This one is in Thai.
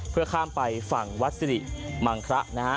เพื่อข้ามไปฝั่งวัดสิริมังคระนะฮะ